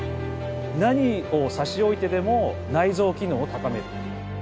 何を差し置いてでも内臓機能を高める。